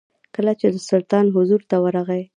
کله چې د سلطان حضور ته ورغی.